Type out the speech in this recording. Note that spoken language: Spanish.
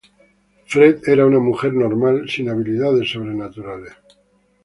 Fred era una mujer normal, sin habilidades sobrenaturales.